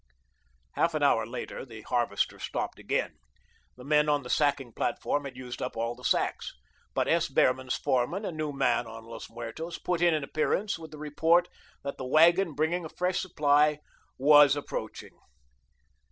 Half an hour later, the harvester stopped again. The men on the sacking platform had used up all the sacks. But S. Behrman's foreman, a new man on Los Muertos, put in an appearance with the report that the wagon bringing a fresh supply was approaching.